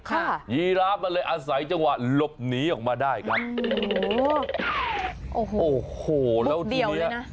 ยีราฟมันเลยอาศัยจังหวะหลบหนีออกมาได้ครับโอ้โหโอ้โหแล้วทีเนี้ย